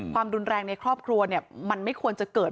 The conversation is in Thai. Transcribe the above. ความรุนแรงในครอบครัวมันไม่ควรจะเกิด